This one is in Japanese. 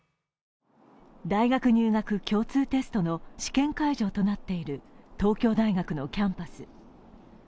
大学入学共通テストの試験会場となっている東京大学のキャンパス。